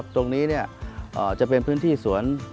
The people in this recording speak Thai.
ตรงนี้จะเป็นพื้นที่สวน